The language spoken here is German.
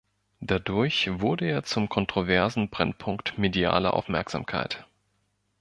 Dadurch wurde er zum kontroversen Brennpunkt medialer Aufmerksamkeit.